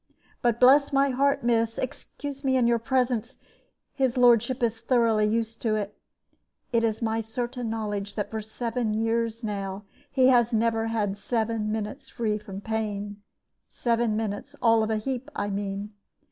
But bless my heart, miss excuse me in your presence his lordship is thoroughly used to it. It is my certain knowledge that for seven years now he has never had seven minutes free from pain seven minutes all of a heap, I mean.